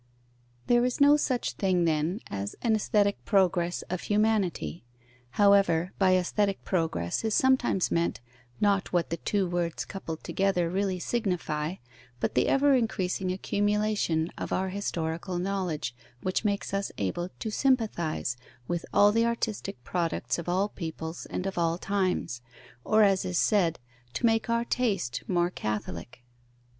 _ There is no such thing, then, as an aesthetic progress of humanity. However, by aesthetic progress is sometimes meant, not what the two words coupled together really signify, but the ever increasing accumulation of our historical knowledge, which makes us able to sympathize with all the artistic products of all peoples and of all times, or, as is said, to make our taste more catholic.